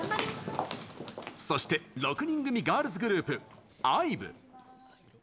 そして６人組ガールズグループ、ＩＶＥ。